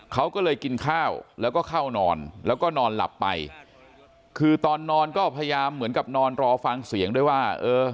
เขาก็เลยกินข้าวแล้วก็เข้านอนแล้วก็นอนหลับไปคือตอนนอนก็พยายามเหมือนกับนอนรอฟังเสียงด้วยว่าเออ